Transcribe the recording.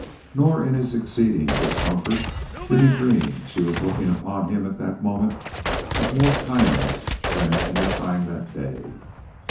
Nor in his exceeding discomfort did he dream that she was looking upon him at that moment with more kindness than at any time that day.